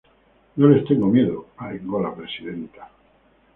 No les tengo miedo" arengó la presidenta.